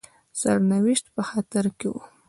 سرنوشت په خطر کې وو.